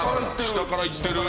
下からいってる。